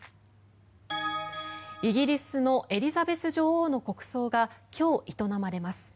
イギリスのエリザベス女王の国葬が今日、営まれます。